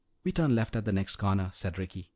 "We turn left at the next corner," said Ricky.